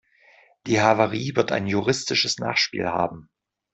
Die Havarie wird ein juristisches Nachspiel haben.